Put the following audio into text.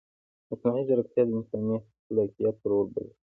مصنوعي ځیرکتیا د انساني خلاقیت رول بدلوي.